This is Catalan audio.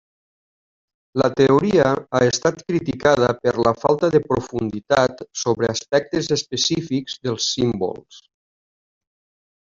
La teoria ha estat criticada per la falta de profunditat sobre aspectes específics dels símbols.